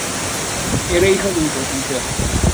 Era hijo de un carpintero.